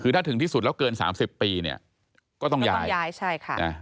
คือถ้าถึงที่สุดแล้วเกินสามสิบปีเนี่ยก็ต้องย้ายใช่ค่ะนะ